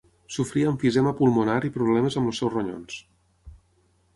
Sofria emfisema pulmonar i problemes amb els seus ronyons.